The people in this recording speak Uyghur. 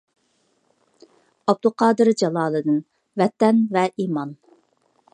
ئابدۇقادىر جالالىدىن: «ۋەتەن ۋە ئىمان»